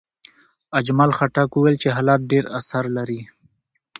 اجمل خټک وویل چې حالات ډېر اثر لري.